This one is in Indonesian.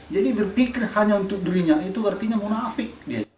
jadi berpikir hanya untuk dirinya itu artinya munafik